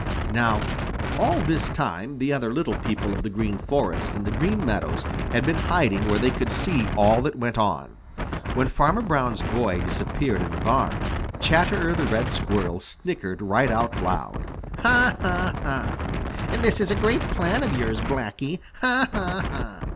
Now all this time the other little people of the Green Forest and the Green Meadows had been hiding where they could see all that went on. When Farmer Brown's boy disappeared in the barn, Chatterer the Red Squirrel snickered right out loud. "Ha, ha, ha! This is a great plan of yours, Blacky! Ha, ha, ha!"